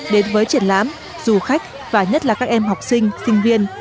đến với triển lãm du khách và nhất là các em học sinh sinh viên